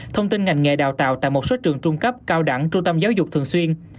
thông tin ngành nghề đào tạo tại một số trường trung cấp cao đẳng trung tâm giáo dục thường xuyên